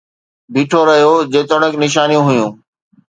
بيٺو رهيو جيتوڻيڪ نشانيون هيون